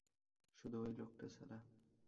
শুধু ওই লোকটা ছাড়া।